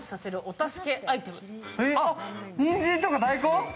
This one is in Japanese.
にんじんとか大根？